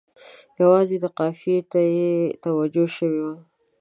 یوازې قافیې ته یې توجه شوې وي.